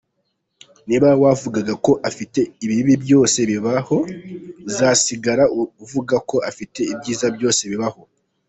Niba wavugaga ko afite ibibi byose bibaho, uzasigara uvuga ko afite ibyiza byose bibaho.